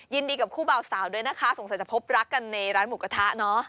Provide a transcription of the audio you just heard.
ยินดีกับคู่เบาสาวด้วยนะคะสงสัยจะพบรักกันในร้านหมูกระทะเนาะ